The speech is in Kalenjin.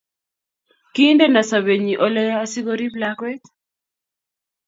kindeno sobenyi oleyaa asigoriip lakwet